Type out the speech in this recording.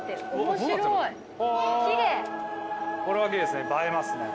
これはきれいですね。